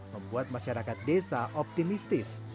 membuat masyarakat desa optimistis